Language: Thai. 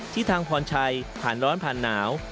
ทางพรชัยผ่านร้อนผ่านหนาว